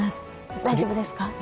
大丈夫ですか？